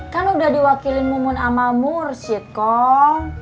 kan udah diwakilin mumun amamur sip kong